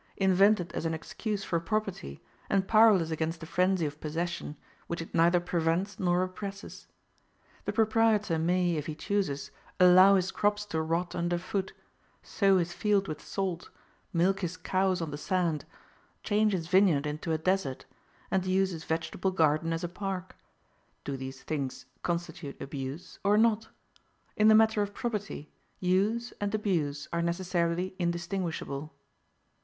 invented as an excuse for property, and powerless against the frenzy of possession, which it neither prevents nor represses. The proprietor may, if he chooses, allow his crops to rot under foot; sow his field with salt; milk his cows on the sand; change his vineyard into a desert, and use his vegetable garden as a park: do these things constitute abuse, or not? In the matter of property, use and abuse are necessarily indistinguishable.